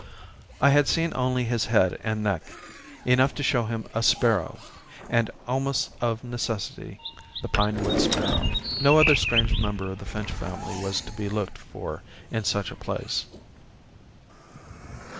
I had seen only his head and neck, enough to show him a sparrow, and almost of necessity the pine wood sparrow. No other strange member of the finch family was to be looked for in such a place.